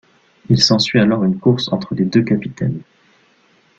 Il s'ensuit alors une course entre les deux capitaines.